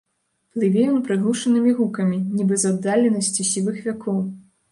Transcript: Плыве ён прыглушанымі гукамі, нібы з аддаленасці сівых вякоў.